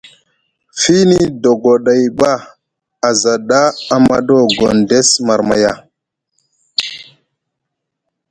Fiini dogoɗay ɓa aza ɗa amaɗo Gondess marmaya ?